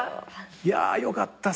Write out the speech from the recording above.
いやよかった。